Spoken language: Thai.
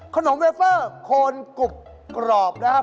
เวเฟอร์โคนกรุบกรอบนะครับ